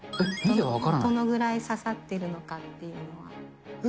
どのぐらい刺さってるのかっていうのは。